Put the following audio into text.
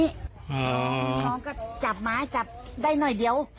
น้องก็จับไม้จับได้หน่อยเดี๋ยว